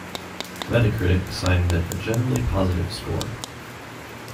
Metacritic assigned it a generally positive score.